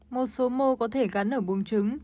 một số mô có thể gắn ở bùng trứng